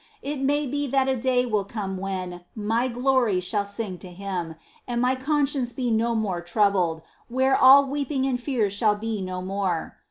It may be that a day will come when " my glory shall sing to Him "^^ and my conscience be no more " troubled," where all weeping and fears shall be no more.